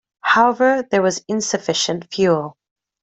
However, there was insufficient fuel.